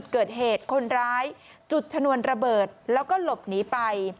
คนร้ายจุดชนวนระเบิดแล้วก็หลบหนีไป